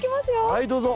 はいどうぞ。